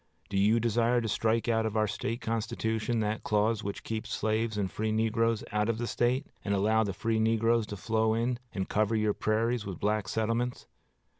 Do you desire to strike out of our State constitution that clause which keeps slaves and free negroes out of the State, and allow the free negroes to flow in, and cover your prairies with black settlements?